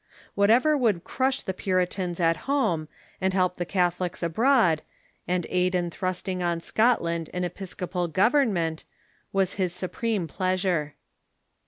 Whatever would crush the Puritans at home, and help the Catholics abroad, and aid in thrusting on Scotland an episcopal government, was his supreme pleasure.